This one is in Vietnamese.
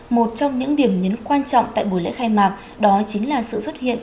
một trong những điểm nhấn quan trọng tại buổi lễ khai mạc đó chính là sự xuất hiện